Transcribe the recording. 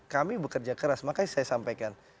kami bekerja keras makanya saya sampaikan